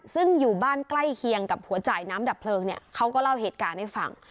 ซึ่งอยู่บ้านใกล้เคียงกับหัวจ่ายน้ำดับเพลิงเนี่ยเขาก็เล่าเหตุการณ์ให้ฟัง